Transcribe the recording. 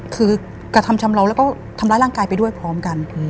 คือกระทำชำเลาแล้วก็ทำร้ายร่างกายไปด้วยพร้อมกัน